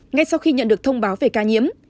ngay sau khi nhận được thông báo về ca nhiễm